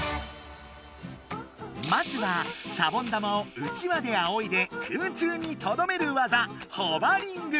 まずはシャボン玉をうちわであおいで空中にとどめる技お！